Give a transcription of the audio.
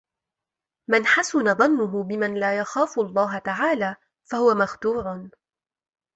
مَنْ حَسُنَ ظَنُّهُ بِمَنْ لَا يَخَافُ اللَّهَ تَعَالَى فَهُوَ مَخْدُوعٌ